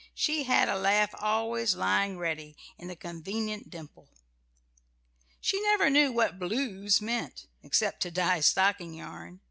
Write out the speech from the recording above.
She had a laugh always lying ready in a convenient dimple. She never knew what "blues" meant, except to dye stocking yarn.